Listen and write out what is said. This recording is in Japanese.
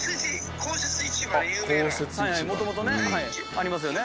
もともとね。ありますよね。